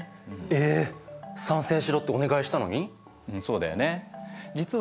え参戦しろってお願いしたのに？